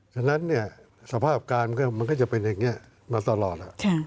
ฉะนั้นเนี่ยสภาพการมันก็จะเป็นอย่างนี้มาตลอด